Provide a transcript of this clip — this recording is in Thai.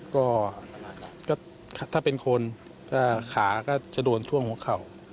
ก็ก็ถ้าเป็นคนก็ขาก็จะโดนทั่วหัวเข่า